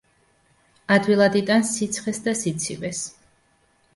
ადვილად იტანს სიცხეს და სიცივეს.